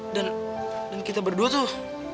dan dan kita berdua tuh